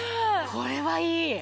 これはいい！